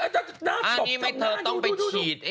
ชอบจบจ้านี่ไงต้องไปฉีด